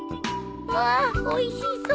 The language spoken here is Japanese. わあおいしそう！